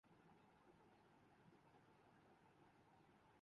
اور وقت گزرنا اور درجن دورہ ذرائع ہونا